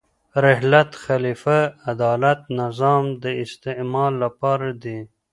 رحلت، خلیفه، عدالت، نظام د استعمال لپاره دي.